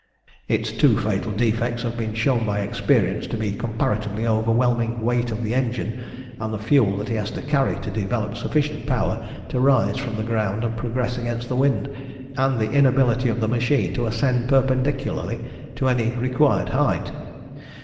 Its two fatal defects have been shown by experience to be the comparatively overwhelming weight of the engine and the fuel that he has to carry to develop sufficient power to rise from the ground and progress against the wind, and the inability of the machine to ascend perpendicularly to any required height.